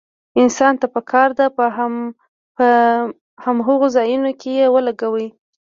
انسان ته پکار ده په هماغو ځايونو کې يې ولګوي.